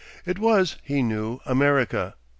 It was, he knew, America.